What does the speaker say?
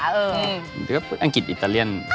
ก็พูดอังกฤษอิตาเลียน